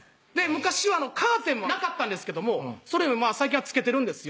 昔はカーテンもなかったんですけども最近は付けてるんですよ